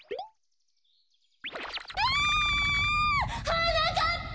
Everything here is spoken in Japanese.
はなかっぱ！